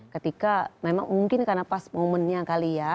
ketika memang mungkin karena pas momennya kali ya